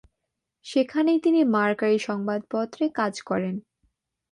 সেখানেই তিনি মার্কারি সংবাদপত্রে কাজ করেন।